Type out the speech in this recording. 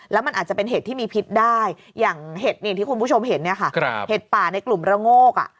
แล้วมันอาจจะเป็นเห็ดที่มีพิษได้อย่างเห็ดอย่างที่คุณผู้ชมเห็นเนี่ยค่ะเห็ดป่าในกลุ่มระโงก